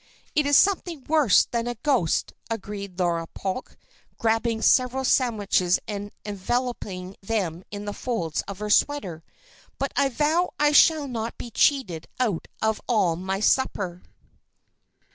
"It's something worse than a ghost," agreed Laura Polk, grabbing several sandwiches and enveloping them in the folds of her sweater. "But I vow I shall not be cheated out of all my supper."